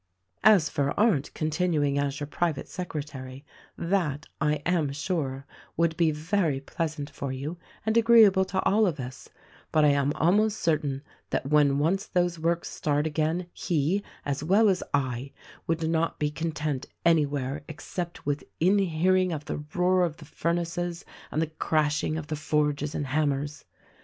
"As for Arndt continuing as your private secretary, that, I am sure, would be very pleasant for you and agreeable to all of us ; but I am almost certain that when once those works start again he, as well as I, would not be content anywhere except within hearing of the roar of the furnaces and the crashing of the forges and hammers.